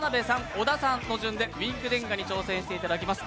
小田さんの順でウインクジェンガに挑戦していただきます。